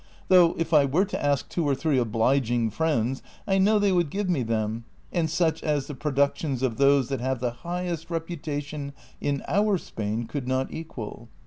Though if I were to ask two or three obliging friends, I know they would THE AUTHOR'S PREFACE. Ixxvii give lue them, and such as the productiuns of those that have the highest reputation in our Spain could not equal.